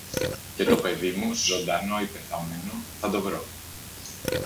Και το παιδί μου, ζωντανό ή πεθαμένο, θα το βρω.